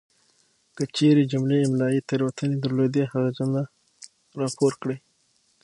کچیري جملې املائي تیروتنې درلودې هغه جمله راپور کړئ!